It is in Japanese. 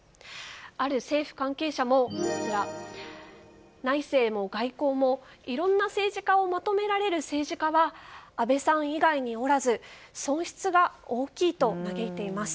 ある政府関係者も内政も外交もいろんな政治家をまとめられる政治家は安倍さん以外におらず損失が大きいと嘆いています。